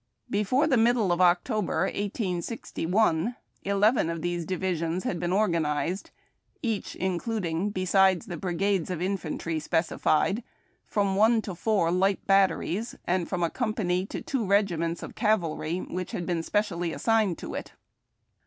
Before the middle of October, 1861, eleven of these divisions had been organized, each including, besides the brigades of infantry specified, from one to four light batteries, and from a company to two regiments of cavalry which had been specially assigned to it.